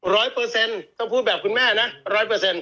เปอร์เซ็นต์ต้องพูดแบบคุณแม่นะร้อยเปอร์เซ็นต